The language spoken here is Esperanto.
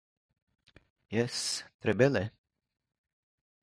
Jes, tre bele.